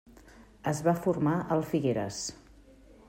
Es va formar al Figueres.